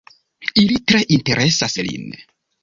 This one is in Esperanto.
Ili tre interesas lin.